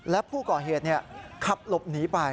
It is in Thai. และผู้ก่อเหตุขับหลบหนีไป